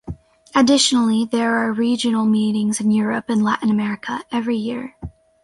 Additionally, there are regional meetings in Europe and Latin America every year.